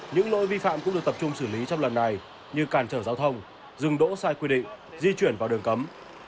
những lỗi vi phạm cũng được tập trung xử lý trong lần này như càn trở giao thông dừng đỗ sai quy định di chuyển vào đường cấm